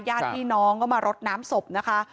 ญาติพี่น้องก็มารดน้ำศพนะคะ